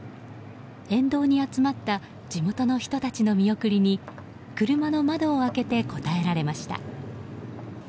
沿道に集まった地元の人たちの見送りに車の窓を開けて応えられました。